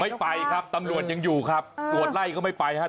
ไม่ไปครับตำรวจยังอยู่ครับตรวจไล่ก็ไม่ไปครับ